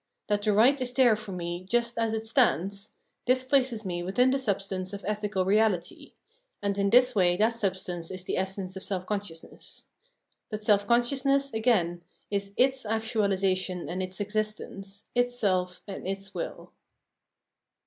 That the right is there for me just as it stands — this places me within the substance of ethical reality : and in this way that substance is the essence of self consciousness. But self consciousness, again, is its actualisation and its existence, its self and its will.